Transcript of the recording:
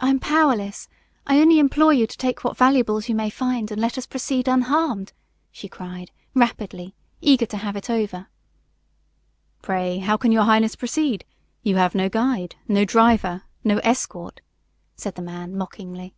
"I am powerless. I only implore you to take what valuables you may find and let us proceed unharmed " she cried, rapidly, eager to have it over. "Pray, how can your highness proceed? You have no guide, no driver, no escort," said the man, mockingly.